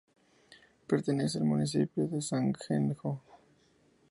Pertenece al municipio de Sangenjo.